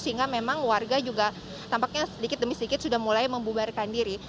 harga juga tampaknya sedikit demi sedikit sudah mulai membubarkan diri